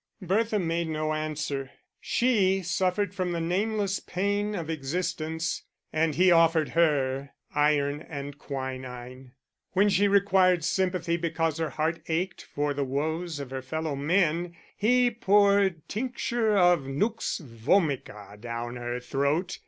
Bertha made no answer. She suffered from the nameless pain of existence and he offered her Iron and Quinine: when she required sympathy because her heart ached for the woes of her fellow men, he poured Tincture of Nux Vomica down her throat.